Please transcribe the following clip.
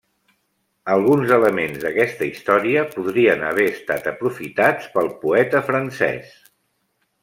Alguns elements d'aquesta història podrien haver estat aprofitats pel poeta francès.